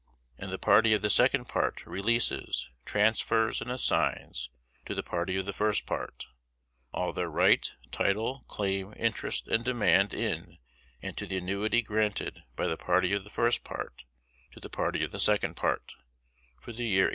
"And the party of the second part releases, transfers and assigns to the party of the first part, all their right, title, claim, interest and demand in and to the annuity granted by the party of the first part to the party of the second part, for the year 1837.